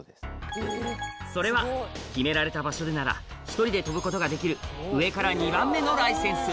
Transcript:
それは決められた場所でなら１人で飛ぶことができる上から２番目のライセンス